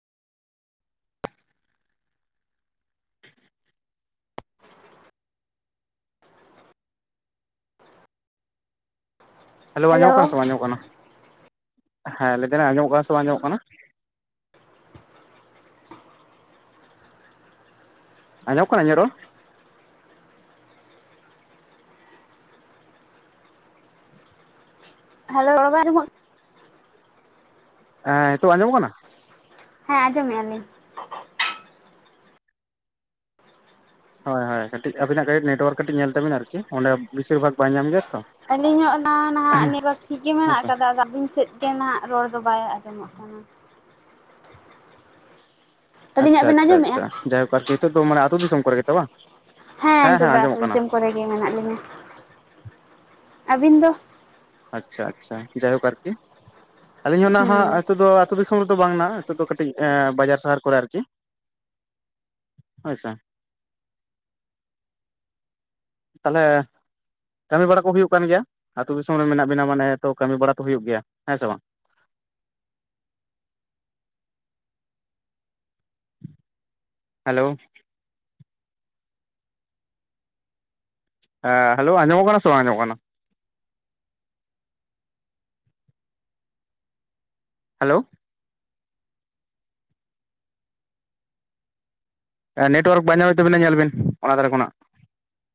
Hello ᱟᱸᱡᱚᱢᱚᱜ ᱠᱟᱱᱟ ᱥᱮ ᱵᱟᱝ ᱟᱸᱡᱚᱢᱚᱜ ᱠᱟᱱᱟ, ᱦᱮᱸ ᱞᱟᱹᱭᱮᱫᱟᱹᱧ ᱟᱸᱡᱚᱢᱚᱜ ᱠᱟᱱᱟ ᱥᱮ ᱵᱟᱝ ᱟᱸᱡᱚᱢᱚᱜ ᱠᱟᱱᱟ? ᱟᱸᱡᱚᱢᱚᱜ ᱠᱟᱱᱟ ᱤᱧᱟᱜ ᱨᱚᱲ? ᱦᱮᱞᱳ [unintelligible] ᱦᱮᱸ ᱱᱤᱛᱳᱜ ᱟᱸᱡᱚᱢᱚᱜ ᱠᱟᱱᱟ? ᱦᱮᱸ ᱟᱸᱡᱚᱢᱮᱜ ᱟᱹᱞᱤᱧ᱾ ᱦᱳᱭ ᱦᱳᱭ ᱠᱟᱹᱴᱤᱡ ᱟᱵᱤᱱᱟᱜ ᱠᱟᱹᱴᱤᱡ ᱱᱮᱴᱣᱟᱨᱠ ᱠᱟᱹᱴᱤᱡ ᱧᱮᱞ ᱛᱟᱵᱤᱱ ᱟᱨᱠᱤ ᱚᱸᱰᱮ ᱵᱤᱥᱤᱨ ᱵᱷᱟᱜᱽ ᱵᱟᱭ ᱧᱟᱢ ᱜᱮᱭᱟ ᱛᱚ᱾ ᱟᱹᱞᱤᱧ ᱦᱚ ᱚᱱᱟ ᱱᱟᱦᱟᱜ ᱱᱮᱴᱣᱟᱨᱠ ᱴᱷᱤᱠ ᱜᱮ ᱢᱮᱱᱟᱜ ᱦᱮᱸᱥᱮ ᱟᱠᱟᱫᱟ ᱟᱫᱚ ᱟᱹᱵᱤᱱ ᱥᱮᱫᱼᱼ ᱚᱱᱛᱮᱱᱟᱜ ᱨᱚᱲ ᱫᱚ ᱵᱟᱭ ᱟᱸᱡᱚᱢᱚᱜ ᱠᱟᱱᱟ᱾ ᱟᱪᱪᱷᱟ ᱟᱹᱞᱤᱧᱟᱜ ᱵᱮᱱ ᱟᱪᱪᱷᱟ ᱟᱸᱡᱚᱢᱮᱜᱼᱟ ᱟᱪᱪᱷᱟ ᱡᱟᱭᱦᱳᱠ ᱟᱨᱠᱤ ᱱᱤᱛᱚᱜ ᱫᱚ ᱢᱟᱱᱮ ᱟᱹᱛᱩ ᱫᱤᱥᱚᱢ ᱠᱚᱨᱮ ᱜᱮ ᱛᱚ ᱵᱟᱝ? ᱦᱮᱸ ᱱᱤᱛᱚᱜ ᱫᱚ ᱟᱹᱛᱩ ᱫᱤᱥᱚᱢ ᱠᱚᱨᱮ ᱜᱮ ᱢᱮᱱᱟᱜ ᱞᱤᱧᱟᱹ ᱟᱹᱵᱤᱱ ᱫᱚ? ᱟᱪᱪᱷᱟ ᱟᱪᱪᱷᱟ ᱡᱟᱭᱦᱳᱠ ᱟᱨᱠᱤ ᱟᱹᱞᱤᱧ ᱦᱚᱸ ᱱᱟᱦᱟᱜ ᱦᱩᱸ ᱱᱤᱛᱚᱜ ᱫᱚᱼᱼ ᱟᱛᱳ ᱫᱤᱥᱚᱢ ᱨᱮᱫᱚ ᱵᱟᱝ ᱱᱟᱜ ᱱᱤᱛᱚᱜ ᱫᱚ ᱠᱟᱹᱴᱤᱡ ᱵᱟᱡᱟᱨ ᱥᱟᱦᱟᱨ ᱠᱚᱨᱮ ᱟᱨᱠᱤ ᱦᱳᱭ ᱥᱮ ᱛᱟᱸᱦᱚᱞᱮ ᱠᱟᱹᱢᱤ ᱵᱟᱲᱟ ᱠᱚ ᱦᱩᱭᱩᱜ ᱠᱟᱱ ᱜᱮᱭᱟ ᱟᱹᱛᱩ ᱫᱤᱥᱚᱢ ᱨᱮ ᱢᱮᱱᱟᱜ ᱵᱤᱱᱟ ᱢᱟᱱᱮ ᱛᱚ ᱠᱟᱹᱢᱤ ᱵᱟᱲᱟ ᱛᱚ ᱦᱩᱭᱩᱜ ᱜᱮᱭᱟ ᱦᱮᱸ ᱥᱮ ᱵᱟᱝ? ᱦᱮᱞᱳ, ᱦᱮᱸ ᱦᱮᱞᱳ ᱟᱸᱡᱚᱜ ᱠᱟᱱᱟ ᱥᱮ ᱵᱟᱝ ᱟᱸᱡᱚᱢᱚᱜ ᱠᱟᱱᱟ? ᱦᱮᱞᱳᱣ ᱾ ᱮᱸ ᱱᱮᱴᱣᱟᱨᱠ ᱵᱟᱭ ᱧᱟᱢᱮᱫ ᱛᱟᱵᱤᱱᱟ ᱧᱮᱞᱵᱤᱱ, ᱚᱱᱟ ᱫᱷᱟᱨᱮ ᱠᱷᱚᱱᱟᱜ᱾